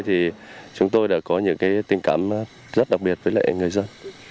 thì chúng tôi đã có những tình cảm rất đặc biệt với lại người dân